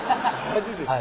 マジですか。